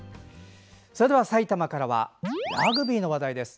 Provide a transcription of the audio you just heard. それでは、埼玉からはラグビーの話題です。